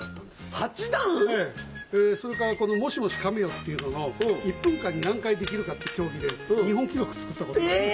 八段⁉それからこの「もしもしかめよ」っていうのの１分間に何回できるかって競技で日本記録作ったことが。え‼